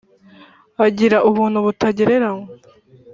Agira ubuntu butagereranywa.